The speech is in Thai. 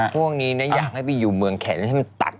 ช่วงนี้นะอยากให้ไปอยู่เมืองแขนให้มันตัด